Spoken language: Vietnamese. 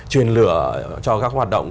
truyền lửa cho các hoạt động